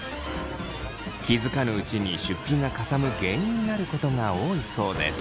気付かぬうちに出費がかさむ原因になることが多いそうです。